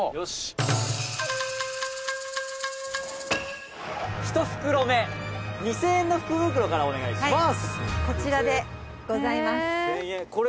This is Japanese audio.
宮田：「１袋目２０００円の福袋からお願いします！」